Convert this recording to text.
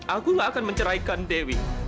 aku gak akan menceraikan dewi